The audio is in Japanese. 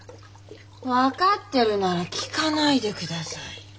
分かってるなら聞かないでください。